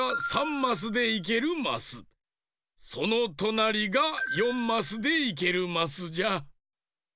そのとなりが４マスでいけるマスじゃ。